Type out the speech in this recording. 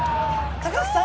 高橋さん！